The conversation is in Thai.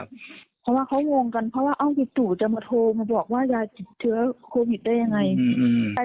เพราะว่าเขางงกันเพราะว่าอ้อมวิตุจะมาโทรมาบอกว่ายายติดเชื้อโควิดได้ยังไง